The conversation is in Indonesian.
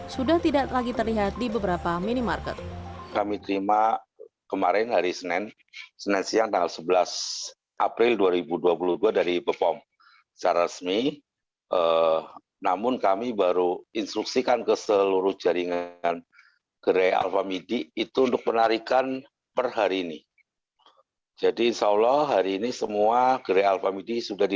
sudah tidak lagi terlihat di beberapa minimarket